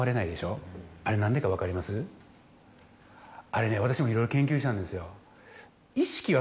あれね私もいろいろ研究したんですよ。